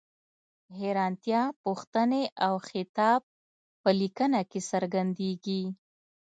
حیرانتیا، پوښتنې او خطاب په لیکنه کې څرګندیږي.